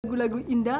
ya udah gini aja